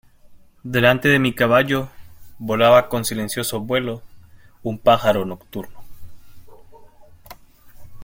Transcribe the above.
delante de mi caballo volaba, con silencioso vuelo , un pájaro nocturno: